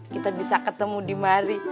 kita bisa ketemu di mari